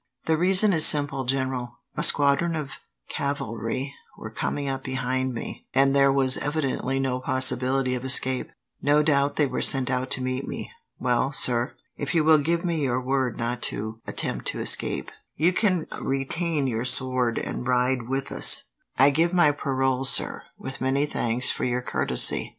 "The reason is simple, General. A squadron of cavalry were coming up behind me, and there was evidently no possibility of escape." "No doubt they were sent out to meet me. Well, sir, if you will give me your word not to attempt to escape, you can retain your sword, and ride with us." "I give my parole, sir, with many thanks for your courtesy."